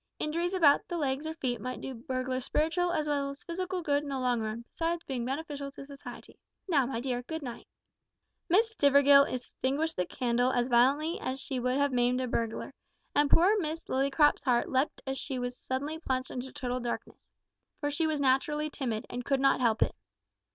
Injuries about the legs or feet might do burglars spiritual as well as physical good in the long run, besides being beneficial to society. Now, my dear, good night." Miss Stivergill extinguished the candle as violently as she would have maimed a burglar, and poor Miss Lillycrop's heart leapt as she was suddenly plunged into total darkness for she was naturally timid, and could not help it.